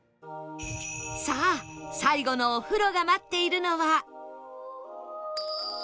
さあ最後のお風呂が待っているのは